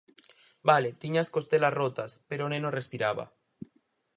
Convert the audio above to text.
Vale, tiña as costelas rotas, pero o neno respiraba.